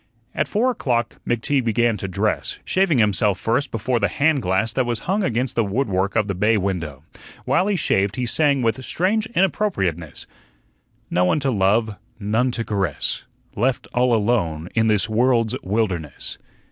At four o'clock McTeague began to dress, shaving himself first before the hand glass that was hung against the woodwork of the bay window. While he shaved he sang with strange inappropriateness: "No one to love, none to Caress, Left all alone in this world's wilderness."